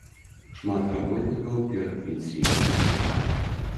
Шмат работнікаў перадпенсійнага веку.